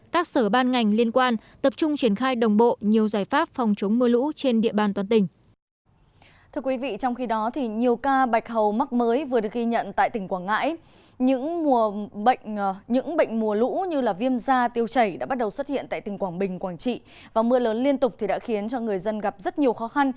các sở ban ngành liên quan tập trung triển khai đồng bộ nhiều giải pháp phòng chống mưa lũ trên địa bàn toàn tỉnh